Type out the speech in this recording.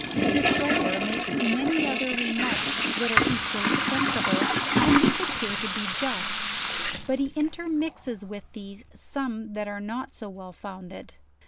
This writer makes many other re marks that are equally sensible, and which appaa'r to be just; but he intermixes with these some that are not so well foun ded.